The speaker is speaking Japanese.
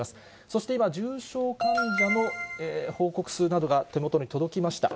そして今、重症患者の報告数などが手元に届きました。